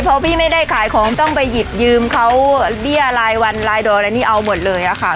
พอพี่ไม่ได้ขายของต้องไปหยิบยืมเขาเบี้ยรายวันรายดอยอะไรนี่เอาหมดเลยอะค่ะ